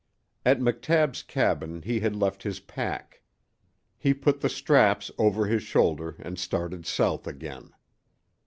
At McTabb's cabin he had left his pack. He put the straps over his shoulder and started south again.